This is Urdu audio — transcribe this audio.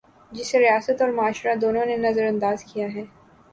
جسے ریاست اور معاشرہ، دونوں نے نظر انداز کیا ہے۔